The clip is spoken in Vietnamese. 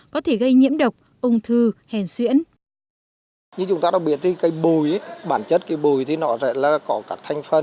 có thể gây nhiễm độc ung thư hèn xuyễn